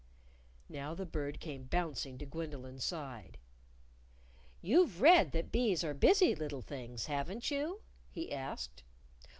_" Now the Bird came bouncing to Gwendolyn's side. "You've read that bees are busy little things, haven't you?" he asked.